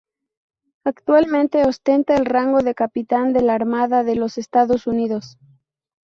Actualmente ostenta el rango de Capitán de la Armada de los Estados Unidos.